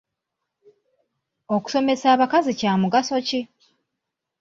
Okusomesa abakazi kya mugaso ki?